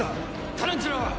タランチュラは！？